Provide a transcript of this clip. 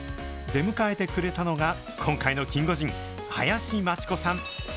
出迎えてくれたのが、今回のキンゴジン、林真智子さん。